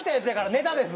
ネタです。